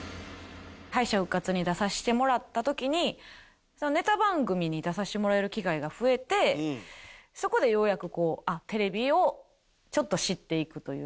敗者復活に出させてもらった時にネタ番組に出させてもらえる機会が増えてそこでようやくテレビをちょっと知っていくという。